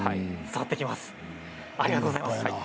ありがとうございます。